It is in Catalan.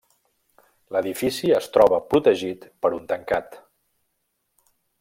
L'edifici es troba protegit per un tancat.